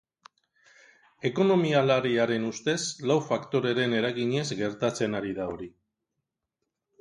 Ekonomialariaren ustez, lau faktoreren eraginez gertatzen ari da hori.